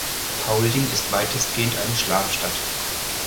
Paulding ist weitestgehend eine Schlafstadt.